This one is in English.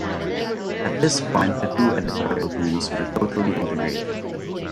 At this point the two editorial teams were totally integrated.